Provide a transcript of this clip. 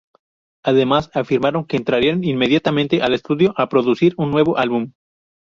Además afirmaron que entrarían inmediatamente al estudio a producir un nuevo álbum.